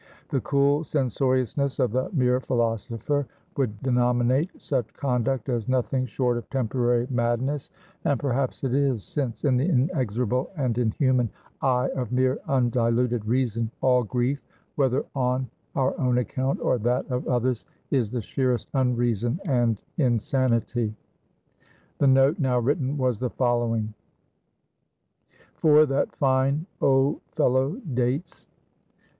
The cool censoriousness of the mere philosopher would denominate such conduct as nothing short of temporary madness; and perhaps it is, since, in the inexorable and inhuman eye of mere undiluted reason, all grief, whether on our own account, or that of others, is the sheerest unreason and insanity. The note now written was the following: "_For that Fine Old Fellow, Dates.